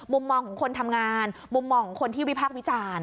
มุมมองของคนทำงานมุมมองของคนที่วิพากษ์วิจารณ์